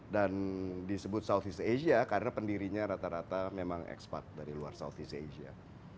dan disebut southeast asia karena pendirinya rata rata memang ekspat dari luar southeast asia